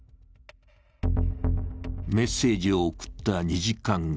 メッセージを送った２時間後。